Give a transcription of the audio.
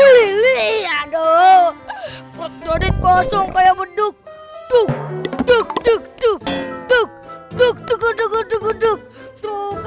lili aduh jadi kosong kayak beduk tuh tuh tuh tuh tuh tuh tuh tuh tuh tuh tuh tuh tuh tuh